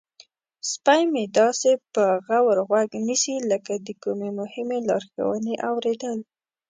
سپی مې داسې په غور غوږ نیسي لکه د کومې مهمې لارښوونې اوریدل.